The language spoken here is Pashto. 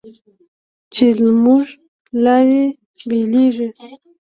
چې زموږ لارې بېلېږي